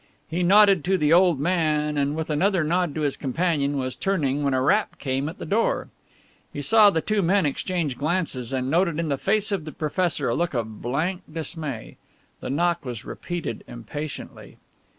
He nodded to the old man, and with another nod to his companion was turning when a rap came at the door. He saw the two men exchange glances and noted in the face of the professor a look of blank dismay. The knock was repeated impatiently.